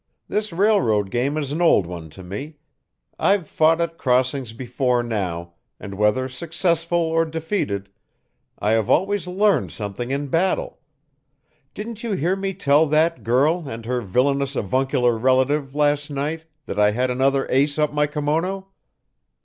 This railroad game is an old one to me; I've fought at crossings before now, and whether successful or defeated, I have always learned something in battle. Didn't you hear me tell that girl and her villainous avuncular relative last night that I had another ace up my kimono?"